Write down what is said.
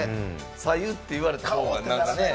白湯って言われた方が。